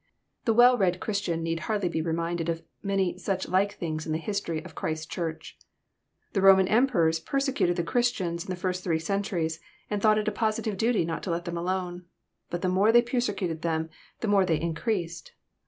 The well read Christian need hardly be reminded of many such like things in the history of Christ's Church. The Boman emperors persecuted the Christians in the first three centuries, and thought it a positive duty not to let them alone. But the more they persecuted them, the more they increased.